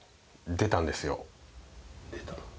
出た？